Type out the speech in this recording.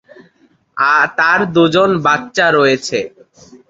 তার দুজন বাচ্চা রয়েছে।